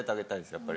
やっぱり。